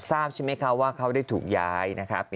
ทราบใช่ไหมคะว่าเขาได้ถูกย้ายนะคะ